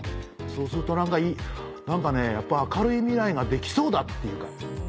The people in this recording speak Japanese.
そうすると何か明るい未来ができそうだっていうか。